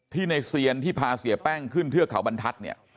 ในเซียนที่พาเสียแป้งขึ้นเทือกเขาบรรทัศน์เนี่ย